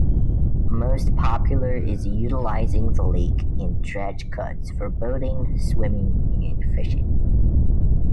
Most popular is utilizing the lake and dredge cuts for boating, swimming, and fishing.